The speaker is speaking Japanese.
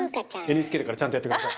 ＮＨＫだからちゃんとやって下さい。